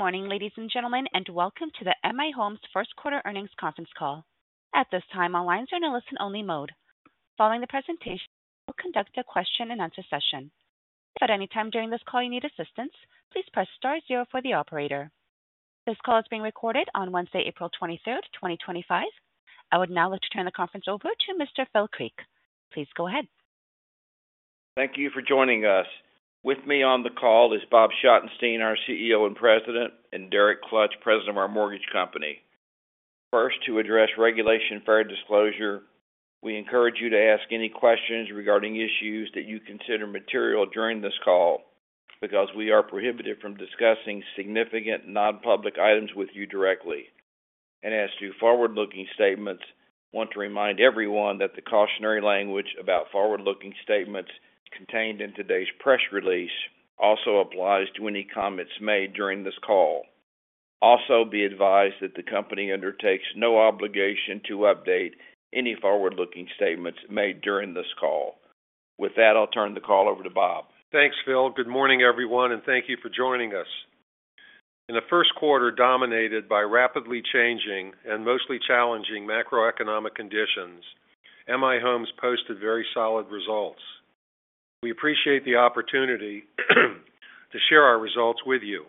Good morning, ladies and gentlemen, and welcome to the M/I Homes first quarter earnings conference call. At this time, all lines are in a listen-only mode. Following the presentation, we'll conduct a question-and-answer session. If at any time during this call you need assistance, please press star zero for the operator. This call is being recorded on Wednesday, April 23rd, 2025. I would now like to turn the conference over to Mr. Phil Creek. Please go ahead. Thank you for joining us. With me on the call is Bob Schottenstein, our CEO and President, and Derek Klutch, President of our mortgage company. First, to address Regulation Fair Disclosure, we encourage you to ask any questions regarding issues that you consider material during this call because we are prohibited from discussing significant non-public items with you directly. As to forward-looking statements, I want to remind everyone that the cautionary language about forward-looking statements contained in today's press release also applies to any comments made during this call. Also, be advised that the company undertakes no obligation to update any forward-looking statements made during this call. With that, I'll turn the call over to Bob. Thanks, Phil. Good morning, everyone, and thank you for joining us. In a first quarter dominated by rapidly changing and mostly challenging macroeconomic conditions, M/I Homes posted very solid results. We appreciate the opportunity to share our results with you.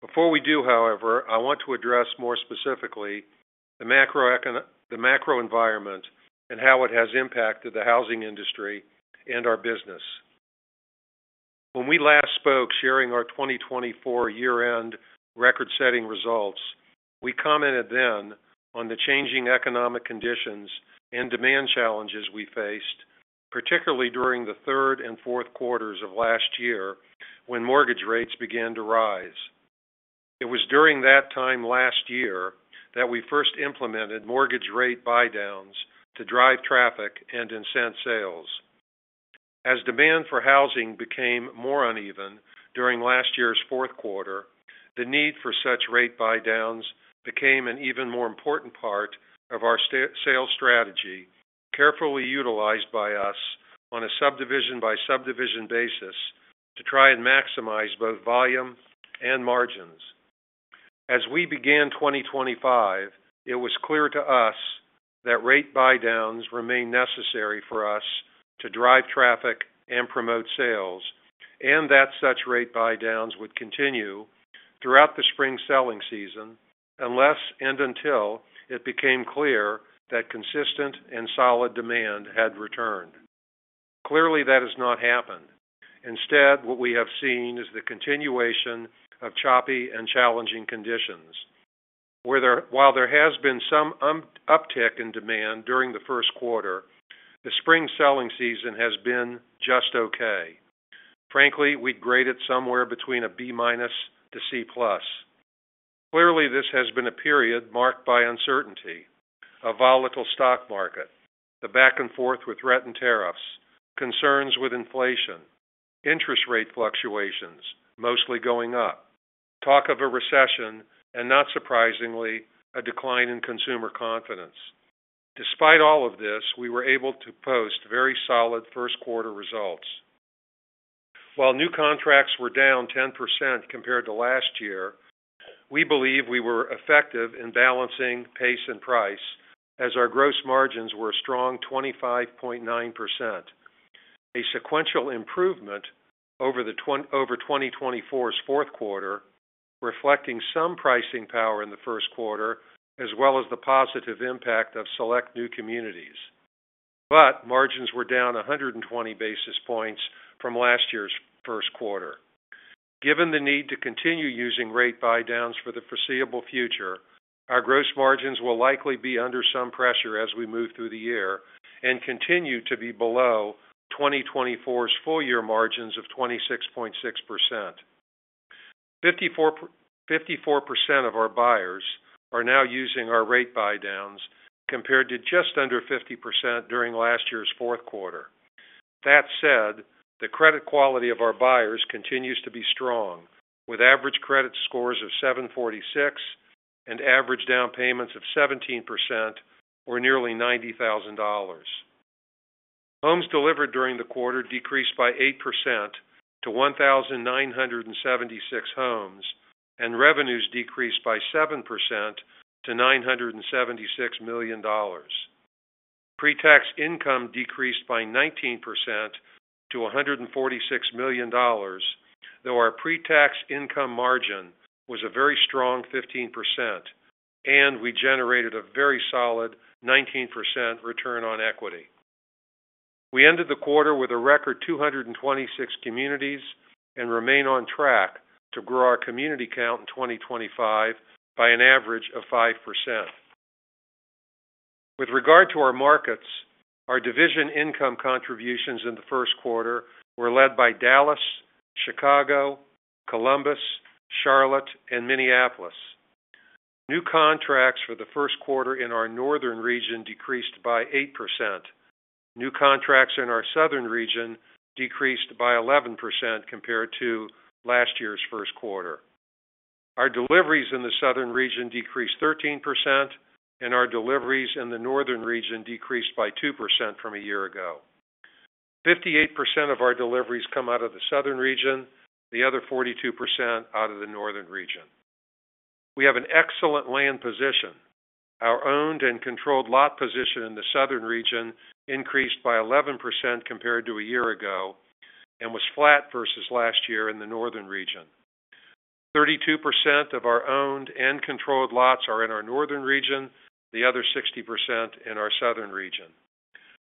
Before we do, however, I want to address more specifically the macro environment and how it has impacted the housing industry and our business. When we last spoke, sharing our 2024 year-end record-setting results, we commented then on the changing economic conditions and demand challenges we faced, particularly during the third and fourth quarters of last year when mortgage rates began to rise. It was during that time last year that we first implemented mortgage rate buy-downs to drive traffic and incent sales. As demand for housing became more uneven during last year's fourth quarter, the need for such rate buy-downs became an even more important part of our sales strategy, carefully utilized by us on a subdivision-by-subdivision basis to try and maximize both volume and margins. As we began 2025, it was clear to us that rate buy-downs remain necessary for us to drive traffic and promote sales, and that such rate buy-downs would continue throughout the spring selling season unless and until it became clear that consistent and solid demand had returned. Clearly, that has not happened. Instead, what we have seen is the continuation of choppy and challenging conditions. While there has been some uptick in demand during the first quarter, the spring selling season has been just okay. Frankly, we'd grade it somewhere between a B- to C+. Clearly, this has been a period marked by uncertainty, a volatile stock market, the back and forth with rent and tariffs, concerns with inflation, interest rate fluctuations, mostly going up, talk of a recession, and not surprisingly, a decline in consumer confidence. Despite all of this, we were able to post very solid first quarter results. While new contracts were down 10% compared to last year, we believe we were effective in balancing pace and price as our gross margins were a strong 25.9%, a sequential improvement over 2024's fourth quarter, reflecting some pricing power in the first quarter as well as the positive impact of select new communities. Margins were down 120 basis points from last year's first quarter. Given the need to continue using rate buy-downs for the foreseeable future, our gross margins will likely be under some pressure as we move through the year and continue to be below 2024's full-year margins of 26.6%. 54% of our buyers are now using our rate buy-downs compared to just under 50% during last year's fourth quarter. That said, the credit quality of our buyers continues to be strong, with average credit scores of 746 and average down payments of 17% or nearly $90,000. Homes delivered during the quarter decreased by 8% to 1,976 homes, and revenues decreased by 7% to $976 million. Pre-tax income decreased by 19% to $146 million, though our pre-tax income margin was a very strong 15%, and we generated a very solid 19% return on equity. We ended the quarter with a record 226 communities and remain on track to grow our community count in 2025 by an average of 5%. With regard to our markets, our division income contributions in the first quarter were led by Dallas, Chicago, Columbus, Charlotte, and Minneapolis. New contracts for the first quarter in our northern region decreased by 8%. New contracts in our southern region decreased by 11% compared to last year's first quarter. Our deliveries in the southern region decreased 13%, and our deliveries in the northern region decreased by 2% from a year ago. 58% of our deliveries come out of the southern region, the other 42% out of the northern region. We have an excellent land position. Our owned and controlled lot position in the southern region increased by 11% compared to a year ago and was flat versus last year in the northern region. 32% of our owned and controlled lots are in our northern region, the other 60% in our southern region.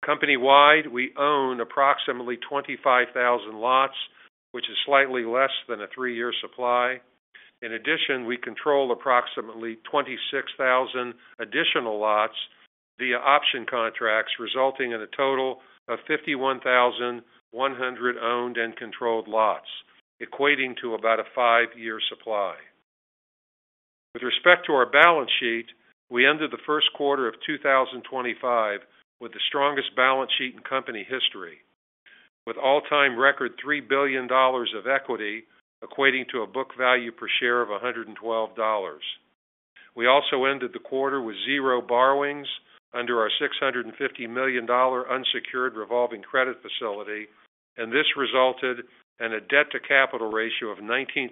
Company-wide, we own approximately 25,000 lots, which is slightly less than a three-year supply. In addition, we control approximately 26,000 additional lots via option contracts, resulting in a total of 51,100 owned and controlled lots, equating to about a five-year supply. With respect to our balance sheet, we ended the first quarter of 2025 with the strongest balance sheet in company history, with all-time record $3 billion of equity, equating to a book value per share of $112. We also ended the quarter with zero borrowings under our $650 million unsecured revolving credit facility, and this resulted in a debt-to-capital ratio of 19%,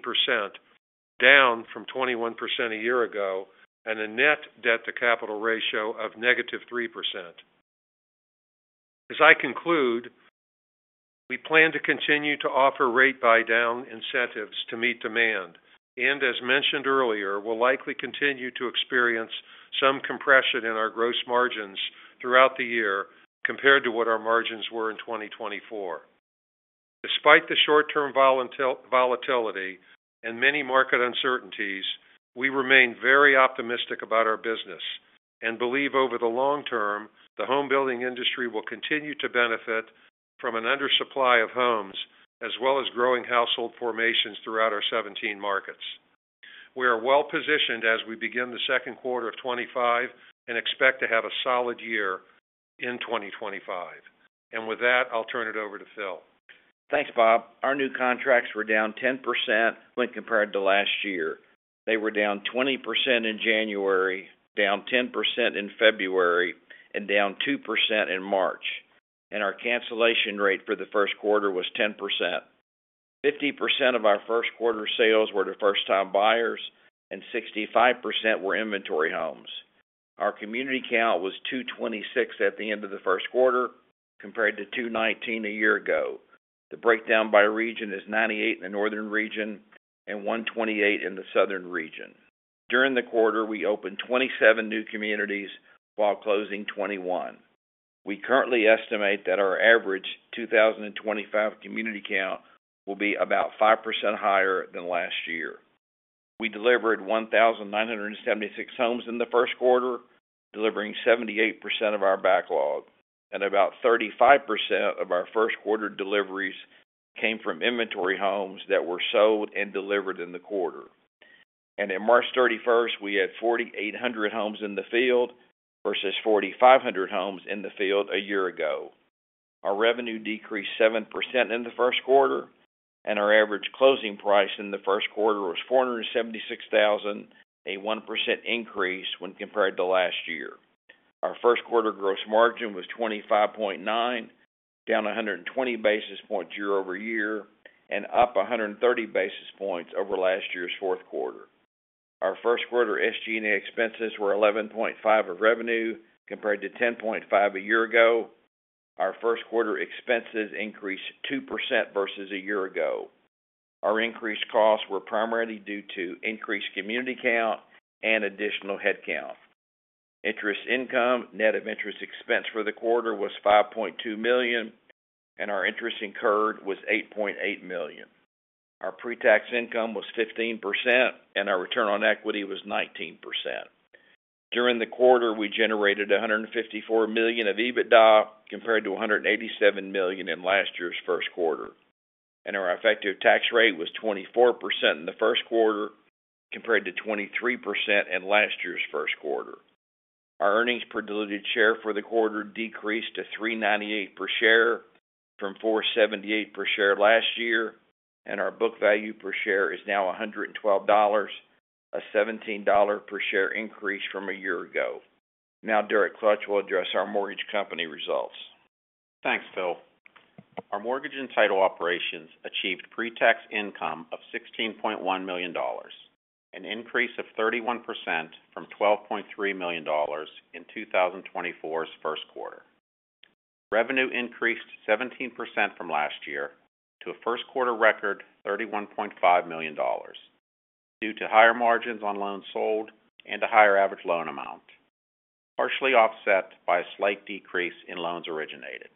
down from 21% a year ago, and a net debt-to-capital ratio of -3%. As I conclude, we plan to continue to offer rate buy-down incentives to meet demand, and as mentioned earlier, we'll likely continue to experience some compression in our gross margins throughout the year compared to what our margins were in 2024. Despite the short-term volatility and many market uncertainties, we remain very optimistic about our business and believe over the long term, the home-building industry will continue to benefit from an undersupply of homes as well as growing household formations throughout our 17 markets. We are well positioned as we begin the second quarter of 2025 and expect to have a solid year in 2025. With that, I'll turn it over to Phil. Thanks, Bob. Our new contracts were down 10% when compared to last year. They were down 20% in January, down 10% in February, and down 2% in March. Our cancellation rate for the first quarter was 10%. 50% of our first-quarter sales were to first-time buyers, and 65% were inventory homes. Our community count was 226 at the end of the first quarter compared to 219 a year ago. The breakdown by region is 98 in the northern region and 128 in the southern region. During the quarter, we opened 27 new communities while closing 21. We currently estimate that our average 2025 community count will be about 5% higher than last year. We delivered 1,976 homes in the first quarter, delivering 78% of our backlog. About 35% of our first-quarter deliveries came from inventory homes that were sold and delivered in the quarter. On March 31, we had 4,800 homes in the field versus 4,500 homes in the field a year ago. Our revenue decreased 7% in the first quarter, and our average closing price in the first quarter was $476,000, a 1% increase when compared to last year. Our first-quarter gross margin was 25.9%, down 120 basis points year-over-year, and up 130 basis points over last year's fourth quarter. Our first-quarter SG&A expenses were 11.5% of revenue compared to 10.5% a year ago. Our first-quarter expenses increased 2% versus a year ago. Our increased costs were primarily due to increased community count and additional headcount. Interest income, net of interest expense for the quarter, was $5.2 million, and our interest incurred was $8.8 million. Our pre-tax income was 15%, and our return on equity was 19%. During the quarter, we generated $154 million of EBITDA compared to $187 million in last year's first quarter. Our effective tax rate was 24% in the first quarter compared to 23% in last year's first quarter. Our earnings per diluted share for the quarter decreased to $3.98 per share from $4.78 per share last year, and our book value per share is now $112, a $17 per share increase from a year ago. Now, Derek Klutch will address our mortgage company results. Thanks, Phil. Our mortgage and title operations achieved pre-tax income of $16.1 million, an increase of 31% from $12.3 million in 2024's first quarter. Revenue increased 17% from last year to a first-quarter record $31.5 million due to higher margins on loans sold and a higher average loan amount, partially offset by a slight decrease in loans originated.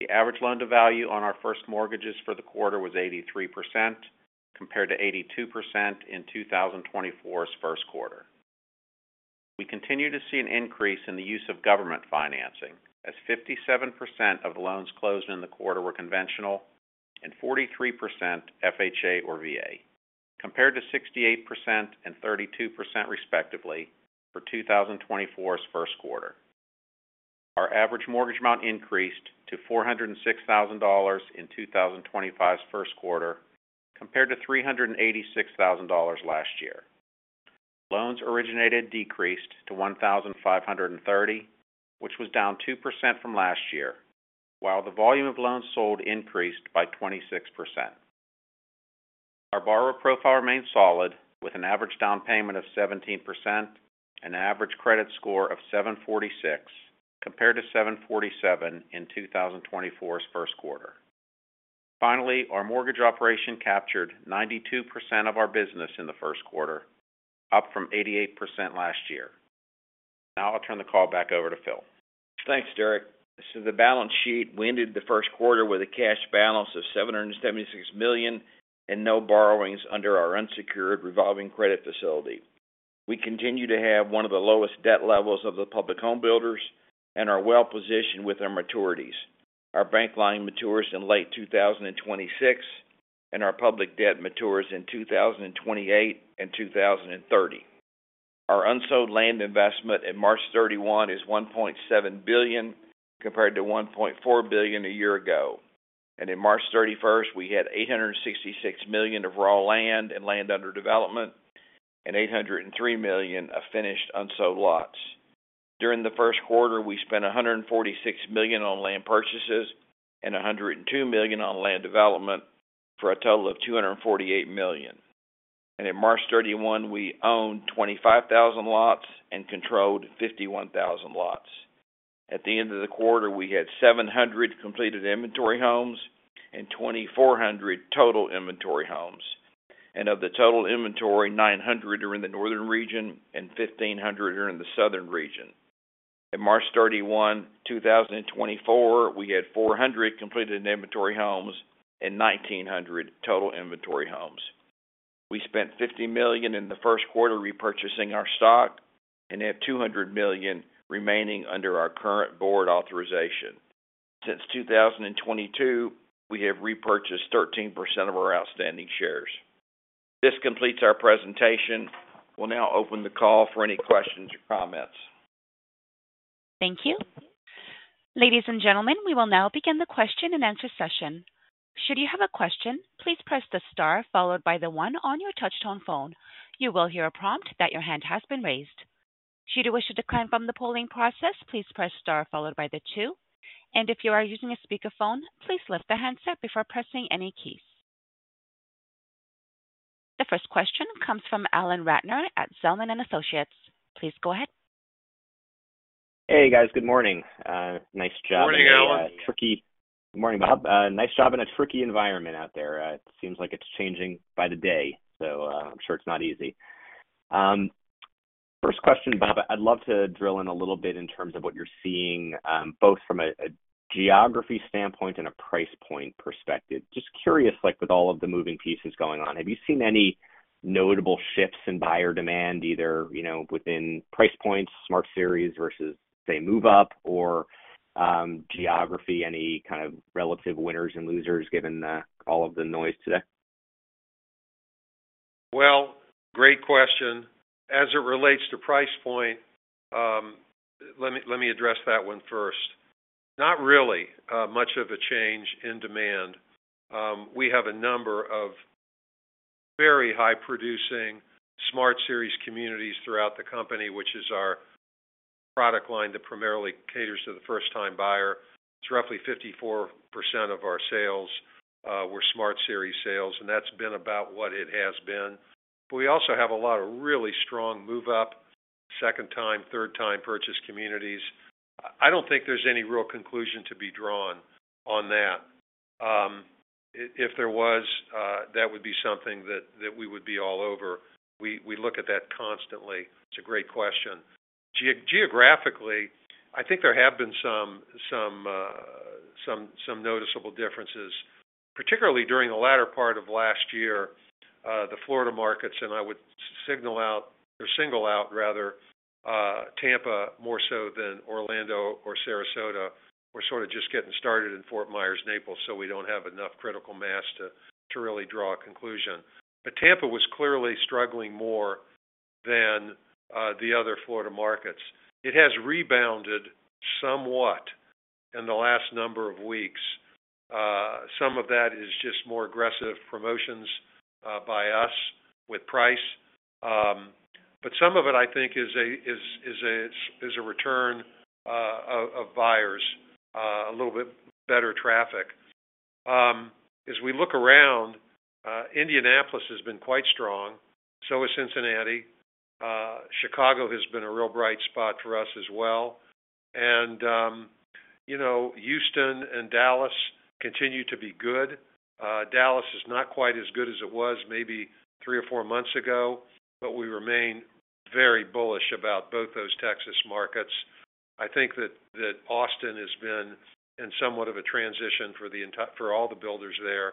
The average loan-to-value on our first mortgages for the quarter was 83% compared to 82% in 2024's first quarter. We continue to see an increase in the use of government financing, as 57% of the loans closed in the quarter were conventional and 43% FHA or VA, compared to 68% and 32%, respectively, for 2024's first quarter. Our average mortgage amount increased to $406,000 in 2025's first quarter, compared to $386,000 last year. Loans originated decreased to 1,530, which was down 2% from last year, while the volume of loans sold increased by 26%. Our borrower profile remained solid, with an average down payment of 17% and an average credit score of 746 compared to 747 in 2024's first quarter. Finally, our mortgage operation captured 92% of our business in the first quarter, up from 88% last year. Now I'll turn the call back over to Phil. Thanks, Derek. The balance sheet, we ended the first quarter with a cash balance of $776 million and no borrowings under our unsecured revolving credit facility. We continue to have one of the lowest debt levels of the public home builders and are well positioned with our maturities. Our bank line matures in late 2026, and our public debt matures in 2028 and 2030. Our unsold land investment on March 31 is $1.7 billion compared to $1.4 billion a year ago. On March 31, we had $866 million of raw land and land under development and $803 million of finished unsold lots. During the first quarter, we spent $146 million on land purchases and $102 million on land development for a total of $248 million. On March 31, we owned 25,000 lots and controlled 51,000 lots. At the end of the quarter, we had 700 completed inventory homes and 2,400 total inventory homes. Of the total inventory, 900 are in the northern region and 1,500 are in the southern region. On March 31, 2024, we had 400 completed inventory homes and 1,900 total inventory homes. We spent $50 million in the first quarter repurchasing our stock and had $200 million remaining under our current Board authorization. Since 2022, we have repurchased 13% of our outstanding shares. This completes our presentation. We'll now open the call for any questions or comments. Thank you. Ladies and gentlemen, we will now begin the question-and-answer session. Should you have a question, please press the star followed by the one on your touch-tone phone. You will hear a prompt that your hand has been raised. Should you wish to decline from the polling process, please press star followed by the two. If you are using a speakerphone, please lift the handset before pressing any keys. The first question comes from Alan Ratner at Zelman & Associates. Please go ahead. Hey, guys. Good morning. Nice job in a tricky—good morning, Bob. Nice job in a tricky environment out there. It seems like it's changing by the day, so I'm sure it's not easy. First question, Bob, I'd love to drill in a little bit in terms of what you're seeing, both from a geography standpoint and a price point perspective. Just curious, with all of the moving pieces going on, have you seen any notable shifts in buyer demand, either within price points, Smart Series versus, say, move-up, or geography, any kind of relative winners and losers given all of the noise today? Great question. As it relates to price point, let me address that one first. Not really much of a change in demand. We have a number of very high-producing Smart Series communities throughout the company, which is our product line that primarily caters to the first-time buyer. It's roughly 54% of our sales were Smart Series sales, and that's been about what it has been. We also have a lot of really strong move-up, second-time, third-time purchase communities. I don't think there's any real conclusion to be drawn on that. If there was, that would be something that we would be all over. We look at that constantly. It's a great question. Geographically, I think there have been some noticeable differences, particularly during the latter part of last year. The Florida markets, and I would single out, rather, Tampa more so than Orlando or Sarasota. We're sort of just getting started in Fort Myers, Naples, so we don't have enough critical mass to really draw a conclusion. Tampa was clearly struggling more than the other Florida markets. It has rebounded somewhat in the last number of weeks. Some of that is just more aggressive promotions by us with price. Some of it, I think, is a return of buyers, a little bit better traffic. As we look around, Indianapolis has been quite strong, so has Cincinnati. Chicago has been a real bright spot for us as well. Houston and Dallas continue to be good. Dallas is not quite as good as it was maybe three or four months ago, but we remain very bullish about both those Texas markets. I think that Austin has been in somewhat of a transition for all the builders there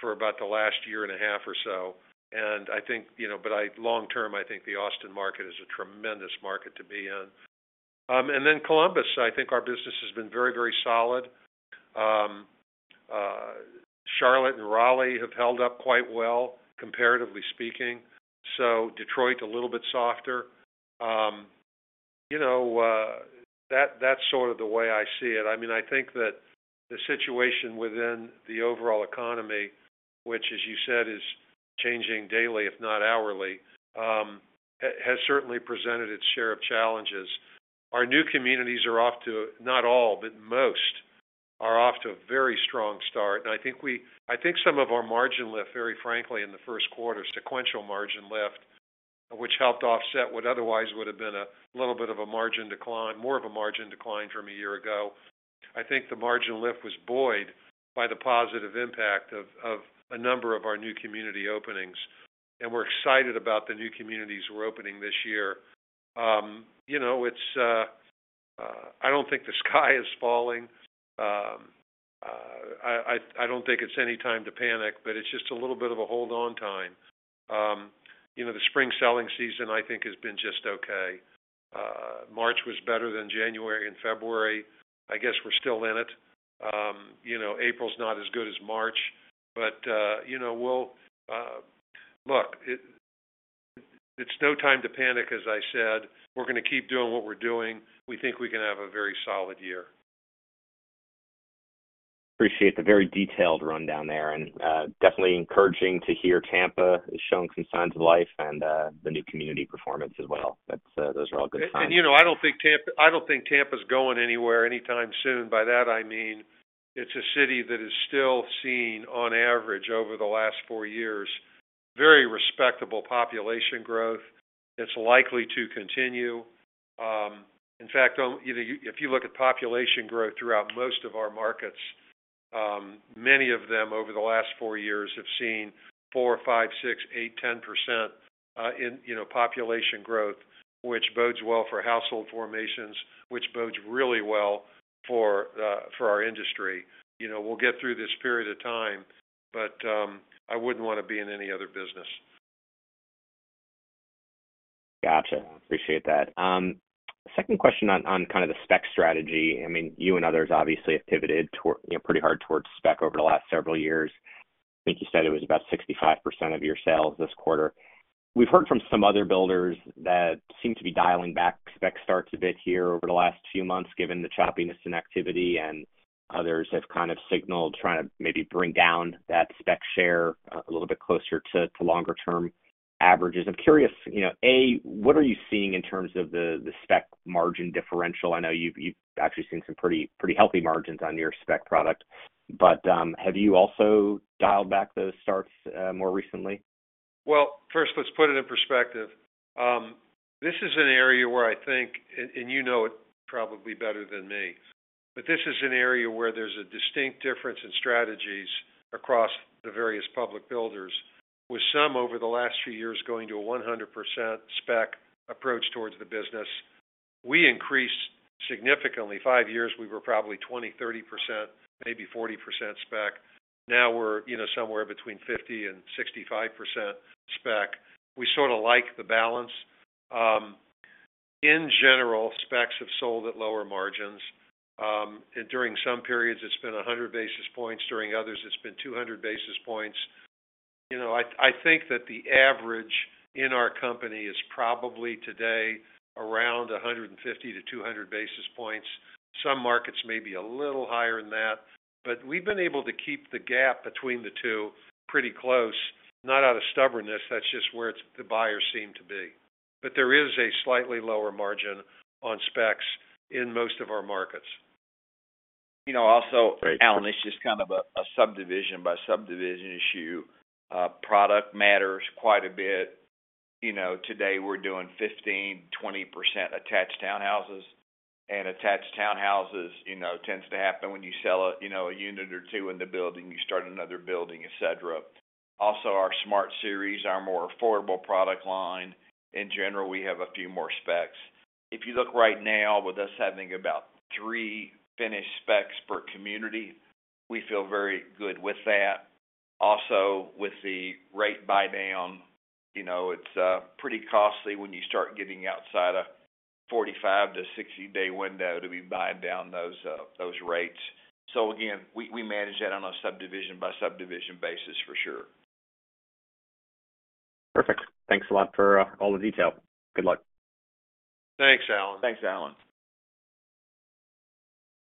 for about the last year and a half or so. I think, but long term, I think the Austin market is a tremendous market to be in. Then Columbus, I think our business has been very, very solid. Charlotte and Raleigh have held up quite well, comparatively speaking. Detroit, a little bit softer. That is sort of the way I see it. I mean, I think that the situation within the overall economy, which, as you said, is changing daily, if not hourly, has certainly presented its share of challenges. Our new communities are off to, not all, but most are off to a very strong start. I think some of our margin lift, very frankly, in the first quarter, sequential margin lift, which helped offset what otherwise would have been a little bit of a margin decline, more of a margin decline from a year ago. I think the margin lift was buoyed by the positive impact of a number of our new community openings. We are excited about the new communities we are opening this year. I do not think the sky is falling. I do not think it is any time to panic, but it is just a little bit of a hold-on time. The spring selling season, I think, has been just okay. March was better than January and February. I guess we are still in it. April is not as good as March, but we will look. It is no time to panic, as I said. We are going to keep doing what we are doing. We think we can have a very solid year. Appreciate the very detailed rundown there. It is definitely encouraging to hear Tampa is showing some signs of life and the new community performance as well. Those are all good signs. I do not think Tampa's going anywhere anytime soon. By that, I mean it's a city that is still seeing, on average, over the last four years, very respectable population growth. It's likely to continue. In fact, if you look at population growth throughout most of our markets, many of them over the last four years have seen 4%, 5%, 6%, 8%, 10% in population growth, which bodes well for household formations, which bodes really well for our industry. We'll get through this period of time, but I would not want to be in any other business. Gotcha. Appreciate that. Second question on kind of the spec strategy. I mean, you and others obviously have pivoted pretty hard towards spec over the last several years. I think you said it was about 65% of your sales this quarter. We've heard from some other builders that seem to be dialing back spec starts a bit here over the last few months, given the choppiness in activity. Others have kind of signaled trying to maybe bring down that spec share a little bit closer to longer-term averages. I'm curious, A, what are you seeing in terms of the spec margin differential? I know you've actually seen some pretty healthy margins on your spec product, but have you also dialed back those starts more recently? First, let's put it in perspective. This is an area where I think, and you know it probably better than me, but this is an area where there's a distinct difference in strategies across the various public builders, with some over the last few years going to a 100% spec approach towards the business. We increased significantly. Five years ago, we were probably 20%-30%, maybe 40% spec. Now we're somewhere between 50%-65% spec. We sort of like the balance. In general, specs have sold at lower margins. During some periods, it's been 100 basis points. During others, it's been 200 basis points. I think that the average in our company is probably today around 150 basis points-200 basis points. Some markets may be a little higher than that, but we've been able to keep the gap between the two pretty close, not out of stubbornness. That's just where the buyers seem to be. There is a slightly lower margin on specs in most of our markets. Also, Alan, it's just kind of a subdivision-by-subdivision issue. Product matters quite a bit. Today, we're doing 15%-20% attached townhouses. And attached townhouses tends to happen when you sell a unit or two in the building, you start another building, etc. Also, our Smart Series, our more affordable product line, in general, we have a few more specs. If you look right now, with us having about three finished specs per community, we feel very good with that. Also, with the rate buy-down, it's pretty costly when you start getting outside a 45- to 60-day window to be buying down those rates. Again, we manage that on a subdivision-by-subdivision basis, for sure. Perfect. Thanks a lot for all the detail. Good luck. Thanks, Alan. Thanks, Alan.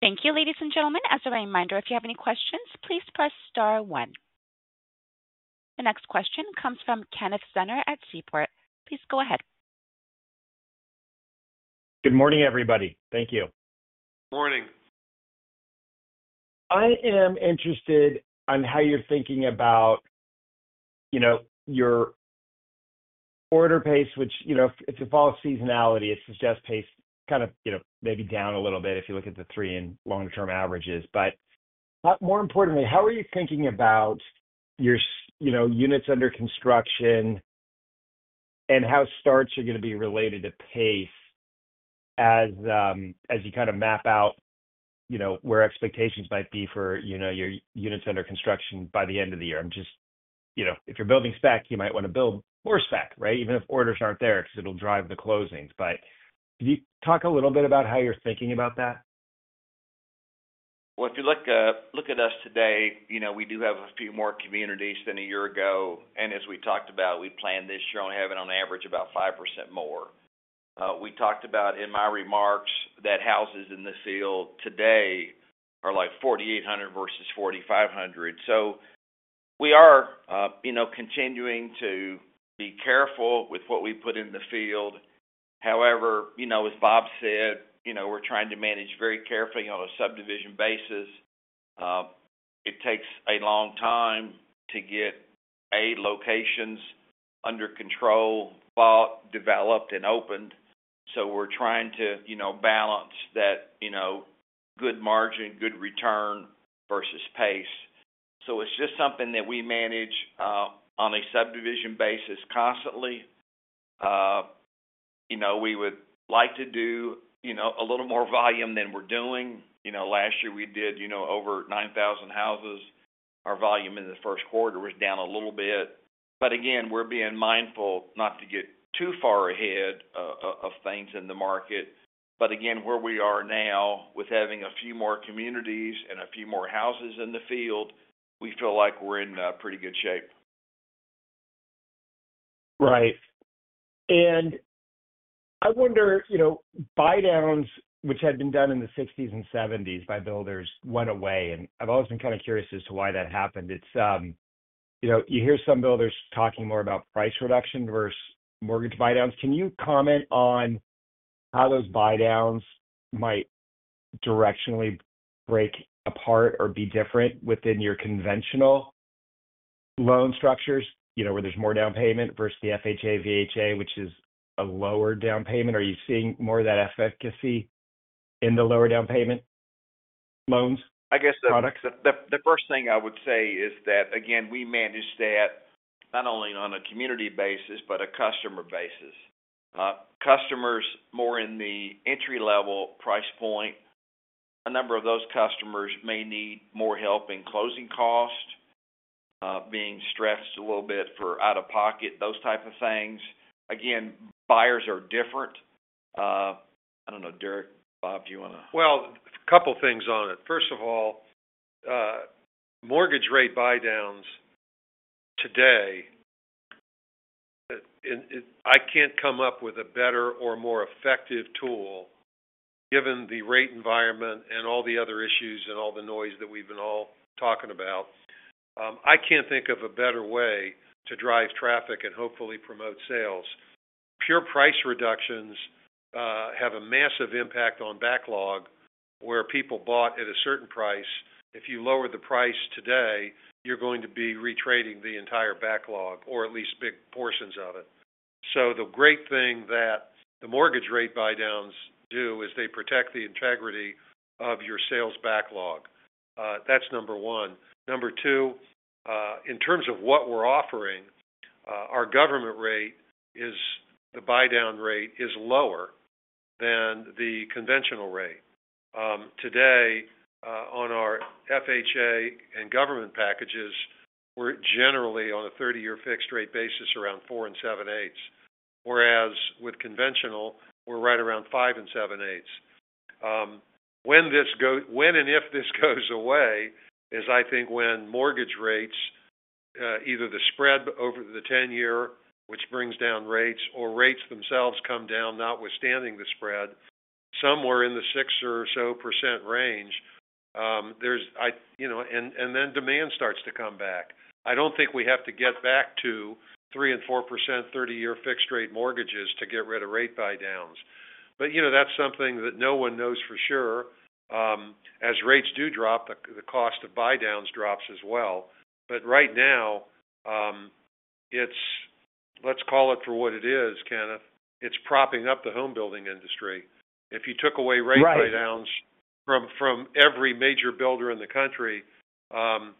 Thank you, ladies and gentlemen. As a reminder, if you have any questions, please press star one. The next question comes from Kenneth Zener at Seaport. Please go ahead. Good morning, everybody. Thank you. Morning. I am interested on how you're thinking about your order pace, which, if you follow seasonality, it suggests pace kind of maybe down a little bit if you look at the three and longer-term averages. More importantly, how are you thinking about your units under construction and how starts are going to be related to pace as you kind of map out where expectations might be for your units under construction by the end of the year? I'm just, if you're building spec, you might want to build more spec, right, even if orders aren't there because it'll drive the closings. Can you talk a little bit about how you're thinking about that? If you look at us today, we do have a few more communities than a year ago. As we talked about, we planned this year on having on average about 5% more. We talked about in my remarks that houses in the field today are like 4,800 versus 4,500. We are continuing to be careful with what we put in the field. However, as Bob said, we are trying to manage very carefully on a subdivision basis. It takes a long time to get, A, locations under control, thought, developed, and opened. We are trying to balance that good margin, good return versus pace. It is just something that we manage on a subdivision basis constantly. We would like to do a little more volume than we are doing. Last year, we did over 9,000 houses. Our volume in the first quarter was down a little bit. Again, we are being mindful not to get too far ahead of things in the market. Again, where we are now with having a few more communities and a few more houses in the field, we feel like we're in pretty good shape. Right. I wonder, buy-downs, which had been done in the 1960s and 1970s by builders, went away. I've always been kind of curious as to why that happened. You hear some builders talking more about price reduction versus mortgage buy-downs. Can you comment on how those buy-downs might directionally break apart or be different within your conventional loan structures where there's more down payment versus the FHA, VA, which is a lower down payment? Are you seeing more of that efficacy in the lower down payment loans? I guess the first thing I would say is that, again, we manage that not only on a community basis, but a customer basis. Customers more in the entry-level price point, a number of those customers may need more help in closing costs, being stressed a little bit for out-of-pocket, those type of things. Again, buyers are different. I do not know, Derek, Bob, do you want to? A couple of things on it. First of all, mortgage rate buy-downs today, I cannot come up with a better or more effective tool given the rate environment and all the other issues and all the noise that we have been all talking about. I cannot think of a better way to drive traffic and hopefully promote sales. Pure price reductions have a massive impact on backlog where people bought at a certain price. If you lower the price today, you're going to be retrading the entire backlog or at least big portions of it. The great thing that the mortgage rate buy-downs do is they protect the integrity of your sales backlog. That's number one. Number two, in terms of what we're offering, our government rate, the buy-down rate, is lower than the conventional rate. Today, on our FHA and government packages, we're generally on a 30-year fixed-rate basis around 4 and 7/8, whereas with conventional, we're right around 5 and 7/8. When and if this goes away, as I think when mortgage rates, either the spread over the 10-year, which brings down rates, or rates themselves come down, notwithstanding the spread, somewhere in the 6 or so percent range, there's and then demand starts to come back. I don't think we have to get back to 3% and 4% 30-year fixed-rate mortgages to get rid of rate buy-downs. That's something that no one knows for sure. As rates do drop, the cost of buy-downs drops as well. Right now, let's call it for what it is, Kenneth, it's propping up the home-building industry. If you took away rate buy-downs from every major builder in the country, I'm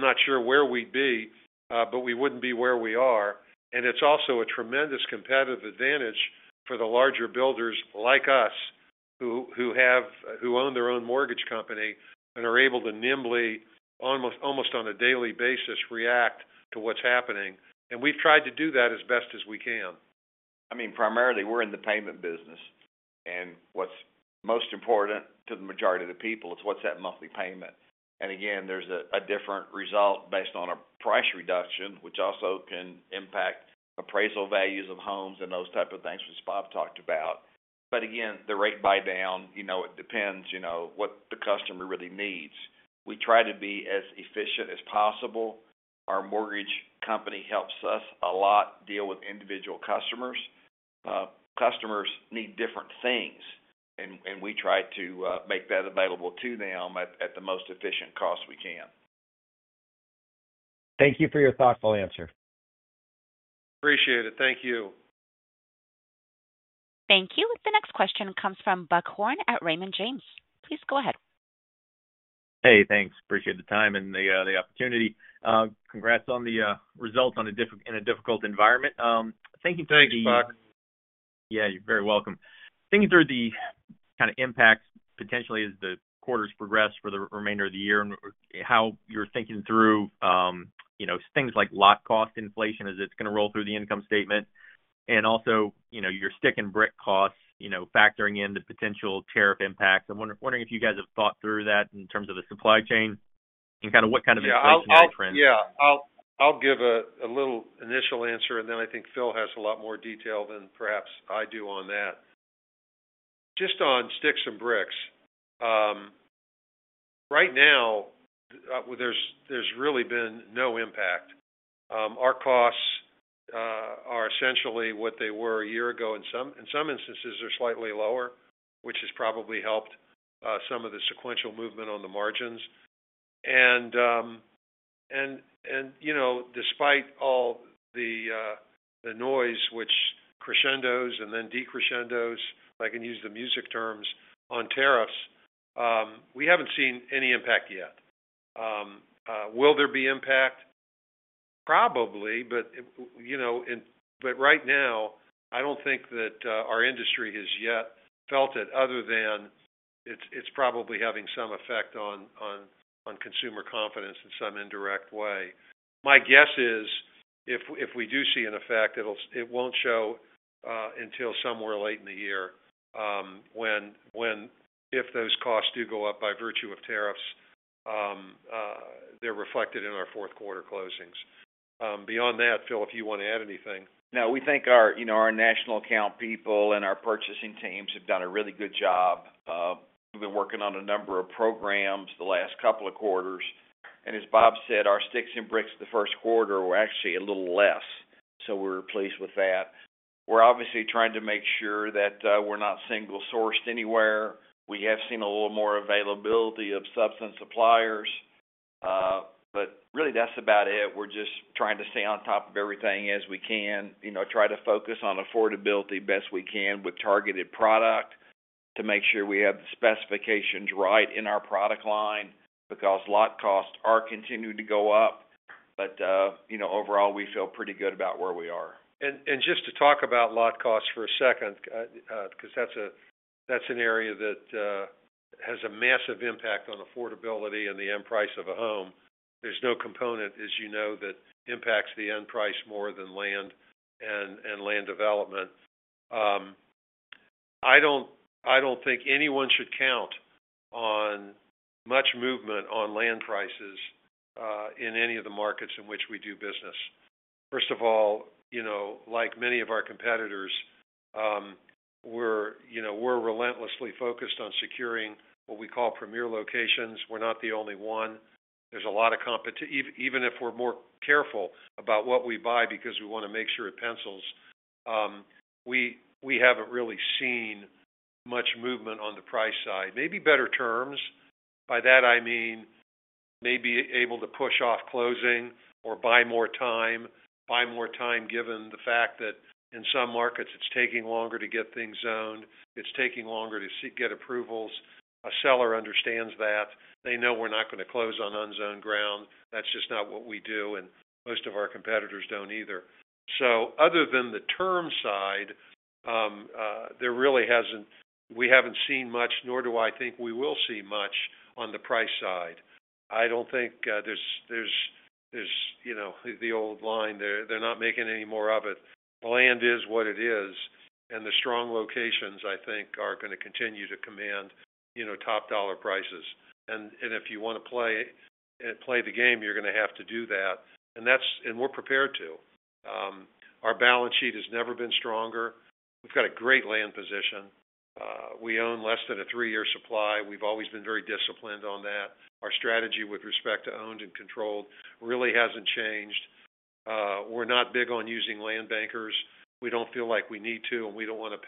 not sure where we'd be, but we wouldn't be where we are. It's also a tremendous competitive advantage for the larger builders like us who own their own mortgage company and are able to nimbly, almost on a daily basis, react to what's happening. We've tried to do that as best as we can. I mean, primarily, we're in the payment business. What's most important to the majority of the people is what's that monthly payment? Again, there's a different result based on a price reduction, which also can impact appraisal values of homes and those type of things, which Bob talked about. Again, the rate buy-down, it depends what the customer really needs. We try to be as efficient as possible. Our mortgage company helps us a lot deal with individual customers. Customers need different things, and we try to make that available to them at the most efficient cost we can. Thank you for your thoughtful answer. Appreciate it. Thank you. Thank you. The next question comes from Buck Horne at Raymond James. Please go ahead. Hey, thanks. Appreciate the time and the opportunity. Congrats on the results in a difficult environment. Thinking through the. Thank you. Yeah, you're very welcome. Thinking through the kind of impact potentially as the quarters progress for the remainder of the year and how you're thinking through things like lot cost inflation as it's going to roll through the income statement. Also your stick and brick costs factoring in the potential tariff impacts. I'm wondering if you guys have thought through that in terms of the supply chain and kind of what kind of inflation outtrends. Yeah, I'll give a little initial answer, and then I think Phil has a lot more detail than perhaps I do on that. Just on sticks and bricks, right now, there's really been no impact. Our costs are essentially what they were a year ago, and in some instances, they're slightly lower, which has probably helped some of the sequential movement on the margins. Despite all the noise, which crescendos and then decrescendos, if I can use the music terms, on tariffs, we haven't seen any impact yet. Will there be impact? Probably. Right now, I don't think that our industry has yet felt it other than it's probably having some effect on consumer confidence in some indirect way. My guess is if we do see an effect, it won't show until somewhere late in the year when if those costs do go up by virtue of tariffs, they're reflected in our fourth quarter closings. Beyond that, Phil, if you want to add anything. No, we think our national account people and our purchasing teams have done a really good job. We have been working on a number of programs the last couple of quarters. As Bob said, our sticks and bricks the first quarter were actually a little less, so we are pleased with that. We are obviously trying to make sure that we are not single-sourced anywhere. We have seen a little more availability of some suppliers, but really, that is about it. We are just trying to stay on top of everything as we can, try to focus on affordability best we can with targeted product to make sure we have the specifications right in our product line because lot costs are continuing to go up. Overall, we feel pretty good about where we are. Just to talk about lot costs for a second, because that's an area that has a massive impact on affordability and the end price of a home, there's no component, as you know, that impacts the end price more than land and land development. I don't think anyone should count on much movement on land prices in any of the markets in which we do business. First of all, like many of our competitors, we're relentlessly focused on securing what we call premier locations. We're not the only one. There's a lot of competition. Even if we're more careful about what we buy because we want to make sure it pencils, we haven't really seen much movement on the price side. Maybe better terms. By that, I mean maybe able to push off closing or buy more time, buy more time given the fact that in some markets, it's taking longer to get things zoned. It's taking longer to get approvals. A seller understands that. They know we're not going to close on unzoned ground. That's just not what we do, and most of our competitors do not either. Other than the term side, there really has not—we have not seen much, nor do I think we will see much on the price side. I do not think there's the old line, "They're not making any more of it." Land is what it is. The strong locations, I think, are going to continue to command top dollar prices. If you want to play the game, you are going to have to do that. We are prepared to. Our balance sheet has never been stronger. We've got a great land position. We own less than a three-year supply. We've always been very disciplined on that. Our strategy with respect to owned and controlled really hasn't changed. We're not big on using land bankers. We don't feel like we need to, and we don't want to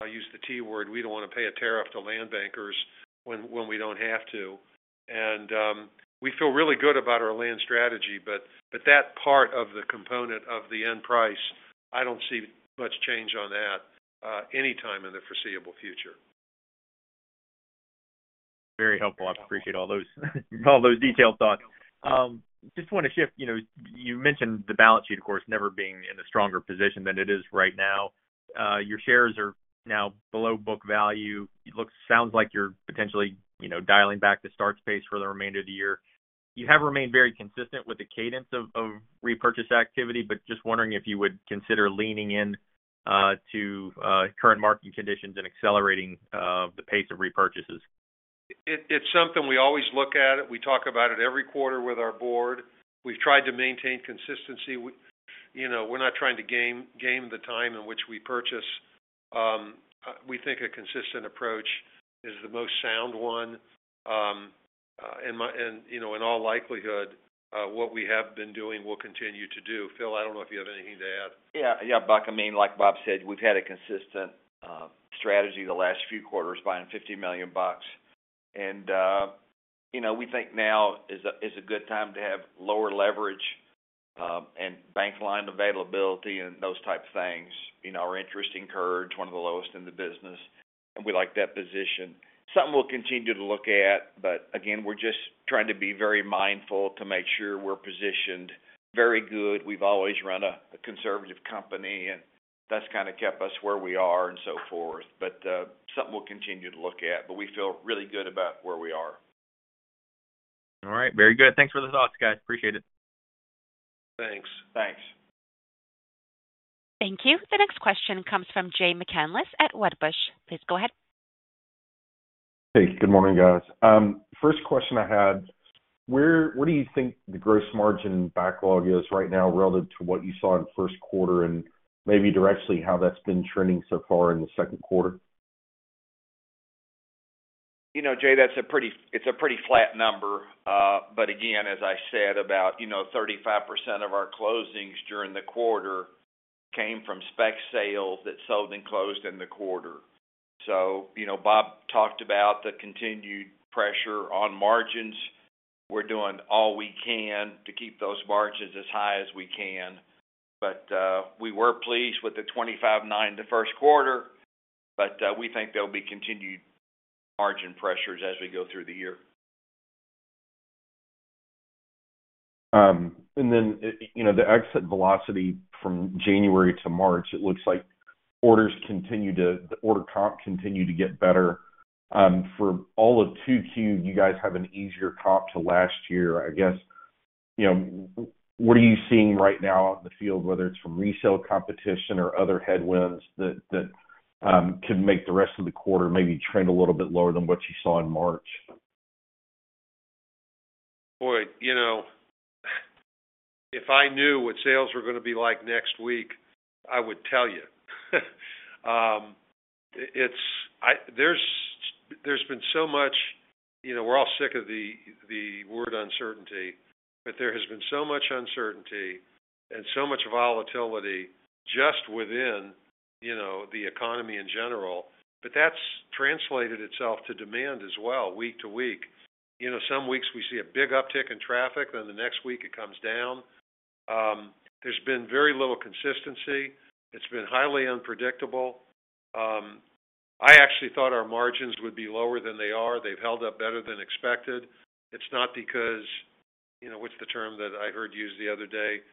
pay—I’ll use the T word—we don't want to pay a tariff to land bankers when we don't have to. We feel really good about our land strategy, but that part of the component of the end price, I don't see much change on that anytime in the foreseeable future. Very helpful. I appreciate all those detailed thoughts. Just want to shift. You mentioned the balance sheet, of course, never being in a stronger position than it is right now. Your shares are now below book value. It sounds like you're potentially dialing back to starts pace for the remainder of the year. You have remained very consistent with the cadence of repurchase activity, but just wondering if you would consider leaning into current marketing conditions and accelerating the pace of repurchases. It's something we always look at. We talk about it every quarter with our Board. We've tried to maintain consistency. We're not trying to game the time in which we purchase. We think a consistent approach is the most sound one. In all likelihood, what we have been doing will continue to do. Phil, I don't know if you have anything to add. Yeah. Yeah, Buck, I mean, like Bob said, we've had a consistent strategy the last few quarters, buying $50 million. And we think now is a good time to have lower leverage and bank line availability and those type of things. Our interest incurred, one of the lowest in the business, and we like that position. Something we'll continue to look at, again, we're just trying to be very mindful to make sure we're positioned very good. We've always run a conservative company, and that's kind of kept us where we are and so forth. Something we'll continue to look at, we feel really good about where we are. All right. Very good. Thanks for the thoughts, guys. Appreciate it. Thanks. Thanks. Thank you. The next question comes from Jay McCanless at Wedbush. Please go ahead. Hey, good morning, guys. First question I had, where do you think the gross margin backlog is right now relative to what you saw in the first quarter and maybe directly how that's been trending so far in the second quarter? Jay, that's a pretty flat number. Again, as I said, about 35% of our closings during the quarter came from spec sales that sold and closed in the quarter. Bob talked about the continued pressure on margins. We're doing all we can to keep those margins as high as we can. We were pleased with the 25.9% in the first quarter, but we think there'll be continued margin pressures as we go through the year. The exit velocity from January to March, it looks like orders continue to—the order comp continue to get better. For all of 2Q, you guys have an easier comp to last year. I guess, what are you seeing right now out in the field, whether it's from resale competition or other headwinds that could make the rest of the quarter maybe trend a little bit lower than what you saw in March? Boy, if I knew what sales were going to be like next week, I would tell you. There has been so much—we're all sick of the word uncertainty, but there has been so much uncertainty and so much volatility just within the economy in general. That has translated itself to demand as well, week to week. Some weeks we see a big uptick in traffic, then the next week it comes down. There has been very little consistency. It has been highly unpredictable. I actually thought our margins would be lower than they are. They have held up better than expected. It is not because—what is the term that I heard used the other day?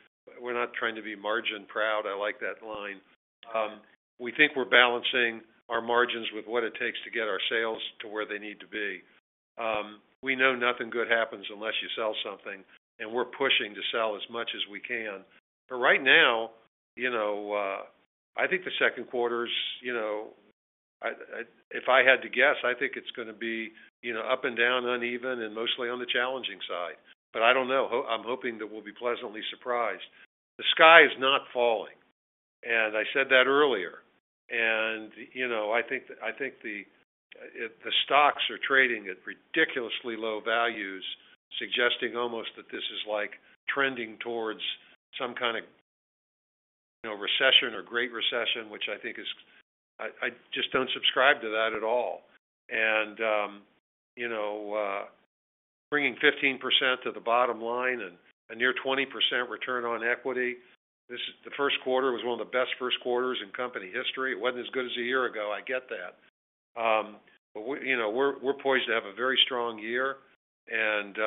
We are not trying to be margin proud. I like that line. We think we are balancing our margins with what it takes to get our sales to where they need to be. We know nothing good happens unless you sell something, and we're pushing to sell as much as we can. Right now, I think the second quarter's—if I had to guess, I think it's going to be up and down, uneven, and mostly on the challenging side. I don't know. I'm hoping that we'll be pleasantly surprised. The sky is not falling, and I said that earlier. I think the stocks are trading at ridiculously low values, suggesting almost that this is like trending towards some kind of recession or great recession, which I think is—I just don't subscribe to that at all. Bringing 15% to the bottom line and a near 20% return on equity, the first quarter was one of the best first quarters in company history. It wasn't as good as a year ago. I get that. We're poised to have a very strong year and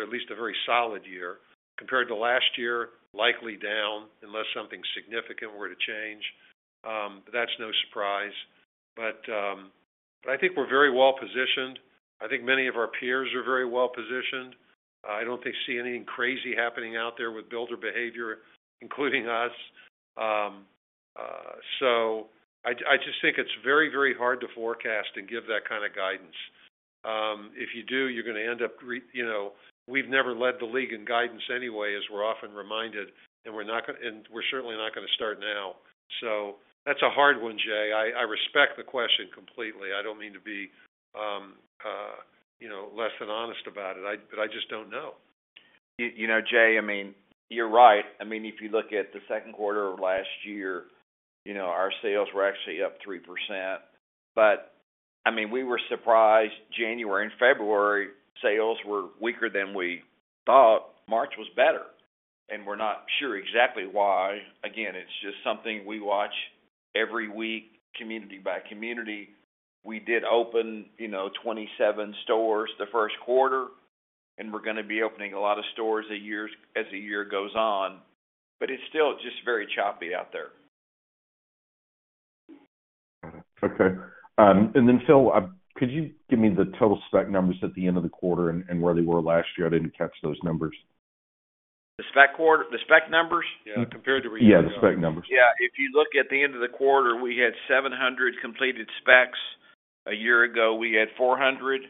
at least a very solid year compared to last year, likely down unless something significant were to change. That's no surprise. I think we're very well positioned. I think many of our peers are very well positioned. I don't see anything crazy happening out there with builder behavior, including us. I just think it's very, very hard to forecast and give that kind of guidance. If you do, you're going to end up—we've never led the league in guidance anyway, as we're often reminded, and we're certainly not going to start now. That's a hard one, Jay. I respect the question completely. I don't mean to be less than honest about it, but I just don't know. Jay, I mean, you're right. I mean, if you look at the second quarter of last year, our sales were actually up 3%. I mean, we were surprised. January and February sales were weaker than we thought. March was better, and we're not sure exactly why. Again, it's just something we watch every week, community by community. We did open 27 stores the first quarter, and we're going to be opening a lot of stores as the year goes on. It's still just very choppy out there. Got it. Okay. Phil, could you give me the total spec numbers at the end of the quarter and where they were last year? I didn't catch those numbers. The spec numbers? Yeah, compared to recently. Yeah, the spec numbers. Yeah. If you look at the end of the quarter, we had 700 completed specs. A year ago, we had 400.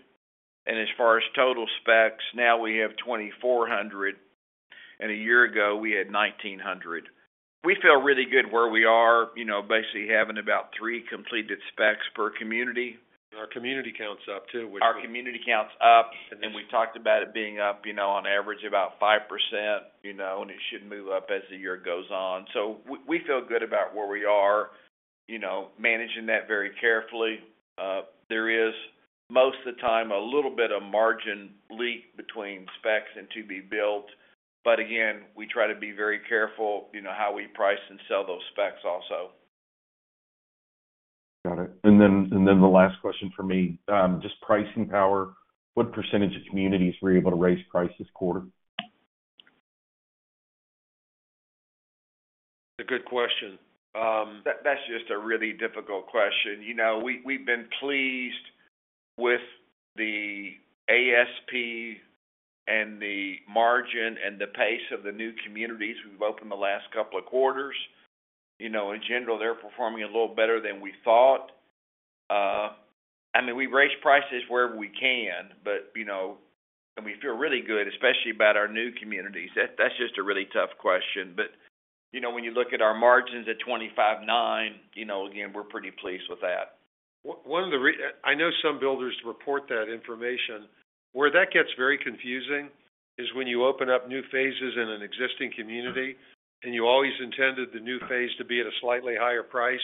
As far as total specs, now we have 2,400. A year ago, we had 1,900. We feel really good where we are, basically having about three completed specs per community. Our community counts up too, which. Our community counts up. We talked about it being up on average about 5%, and it should move up as the year goes on. We feel good about where we are, managing that very carefully. There is, most of the time, a little bit of margin leak between specs and to be built. Again, we try to be very careful how we price and sell those specs also. Got it. And then the last question for me, just pricing power. What percentage of communities were able to raise prices quarter? That's a good question. That's just a really difficult question. We've been pleased with the ASP and the margin and the pace of the new communities we've opened the last couple of quarters. In general, they're performing a little better than we thought. I mean, we raise prices where we can, but we feel really good, especially about our new communities. That's just a really tough question. When you look at our margins at 25.9%, again, we're pretty pleased with that. One of the—I know some builders report that information. Where that gets very confusing is when you open up new phases in an existing community, and you always intended the new phase to be at a slightly higher price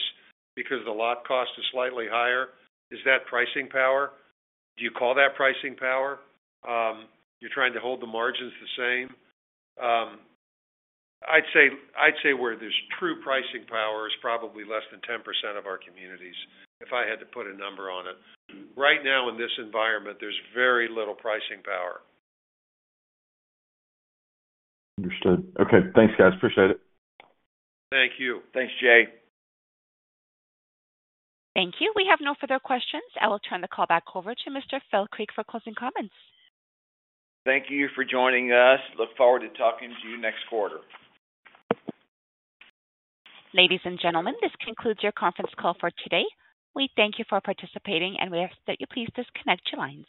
because the lot cost is slightly higher. Is that pricing power? Do you call that pricing power? You're trying to hold the margins the same? I'd say where there's true pricing power is probably less than 10% of our communities, if I had to put a number on it. Right now, in this environment, there's very little pricing power. Understood. Okay. Thanks, guys. Appreciate it. Thank you. Thanks, Jay. Thank you. We have no further questions. I will turn the call back over to Mr. Phil Creek for closing comments. Thank you for joining us. Look forward to talking to you next quarter. Ladies and gentlemen, this concludes your conference call for today. We thank you for participating, and we ask that you please disconnect your lines.